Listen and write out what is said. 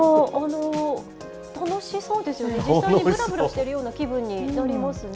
楽しそうですね、実際にぶらぶらしているような気分になりますね。